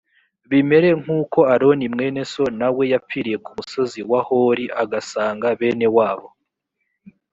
bimere nk’uko aroni mwene so na we yapfiriye ku musozi wa hori, agasanga bene wabo